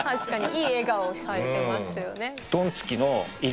いい笑顔をされてますよね。